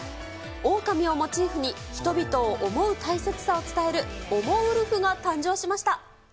オオカミをモチーフに、人々を思う大切さを伝えるおもウルフが誕生しました。